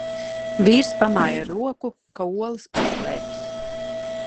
Vīrs pamāj ar roku, ka olas paslēpis.